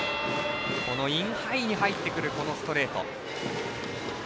インハイに入ってくるストレート。